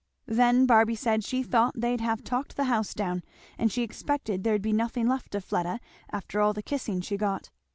Then Barby said she thought they'd have talked the house down; and she expected there'd be nothing left of Fleda after all the kissing she got.